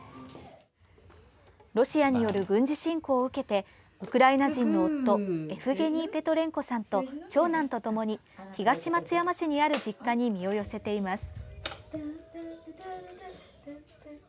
ロシアによる軍事侵攻を受けてウクライナ人の夫エフゲニー・ペトレンコさんと長男とともに東松山市にある実家に身を寄せています。